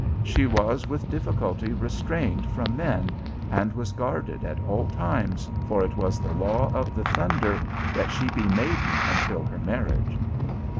She was with difficulty restrained from men and was guarded at all times, for it was the law of the Thunder that she be maiden until her marriage.